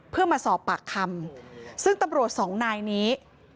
เพื่อมาสอบปากคำซึ่งตำรวจสองนายนี้